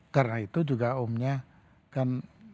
karena itu juga omnya kan